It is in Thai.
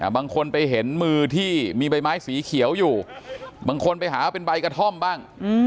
บางคนไปเห็นมือที่มีใบไม้สีเขียวอยู่บางคนไปหาเป็นใบกระท่อมบ้าง